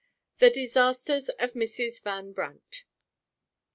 THE DISASTERS OF MRS. VAN BRANDT.